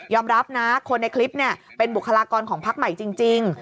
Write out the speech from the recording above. รับนะคนในคลิปเป็นบุคลากรของพักใหม่จริง